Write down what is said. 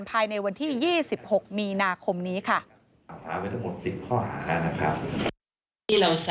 ภายในวันที่๒๖มีนาคมนี้ค่ะ